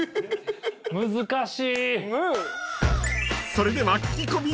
［それでは］